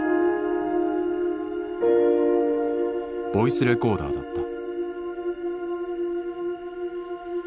ボイスレコーダーだった。